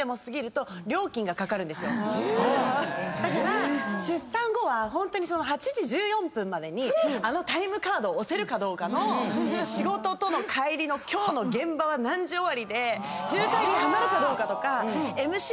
だから出産後はホントにその８時１４分までにあのタイムカードを押せるかどうかの仕事との帰りの今日の現場は何時終わりで渋滞にはまるかどうかとか。